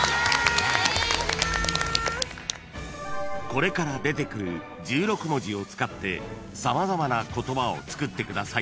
［これから出てくる１６文字を使って様々な言葉を作ってください］